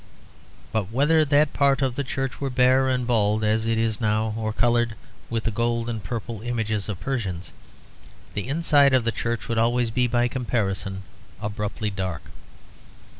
But whether that part of the church were bare and bald as it is now or coloured with the gold and purple images of the Persians, the inside of the church would always be by comparison abruptly dark.